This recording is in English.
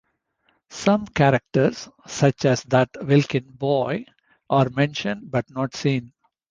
Some characters, such as That Wilkin Boy, are mentioned, but not seen.